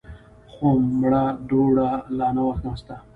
خو مړه دوړه لا نه وه ناسته.